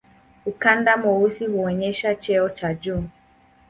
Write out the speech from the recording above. Ukanda mweusi huonyesha cheo cha juu.